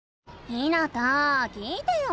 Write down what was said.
ひなた聞いてよ。